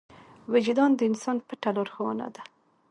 وجدان د انسان پټه لارښوونه ده.